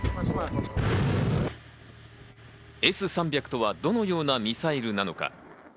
Ｓ−３００とはどのようなミサイルなのか？